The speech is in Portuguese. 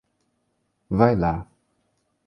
Vai lá